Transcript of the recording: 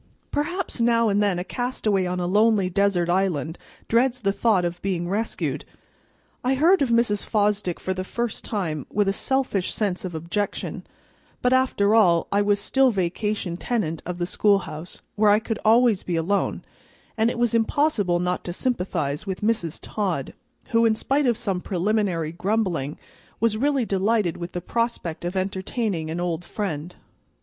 Perhaps now and then a castaway on a lonely desert island dreads the thought of being rescued. I heard of Mrs. Fosdick for the first time with a selfish sense of objection; but after all, I was still vacation tenant of the schoolhouse, where I could always be alone, and it was impossible not to sympathize with Mrs. Todd, who, in spite of some preliminary grumbling, was really delighted with the prospect of entertaining an old friend.